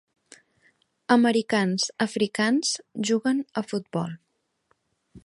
Americans africans juguen a futbol.